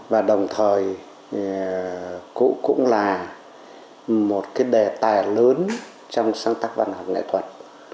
và đồng thời cũng là một đề tài lớn trong sáng tác văn hóa nghệ thuật